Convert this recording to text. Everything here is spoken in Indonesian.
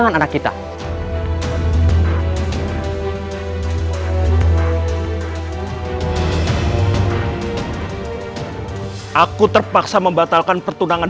hanya diriku seperti terinjak injak